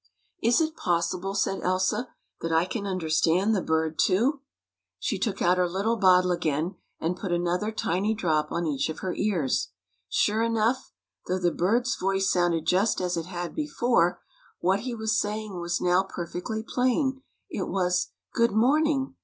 " Is it possible," said Elsa, " that I can understand the bird too?" She took out her little bottle again, and put another tiny drop on each of her ears. Sure enough! Though the bird's voice sounded just as it had before, what he was saying was now perfectly plain. It was : "Good morning!